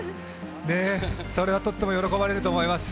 それはとっても喜ばれると思います。